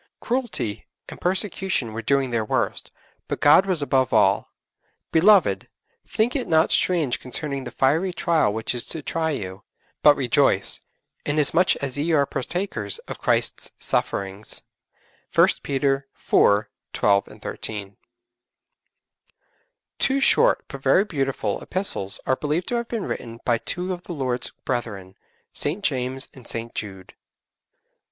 Cruelty and persecution were doing their worst, but God was above all. '_Beloved, think it not strange concerning the fiery trial which is to try you ... but rejoice, inasmuch as ye are partakers of Christ's sufferings._' (1 Peter iv. 12, 13.) Two short, but very beautiful, epistles are believed to have been written by two of the Lord's brethren, St. James and St. Jude.